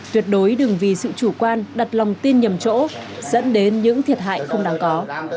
tuyệt đối đừng vì sự chủ quan đặt lòng tin nhầm chỗ dẫn đến những thiệt hại không đáng có